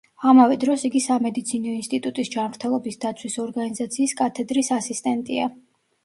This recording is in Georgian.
ამავე დროს იგი სამედიცინო ინსტიტუტის ჯანმრთელობის დაცვის ორგანიზაციის კათედრის ასისტენტია.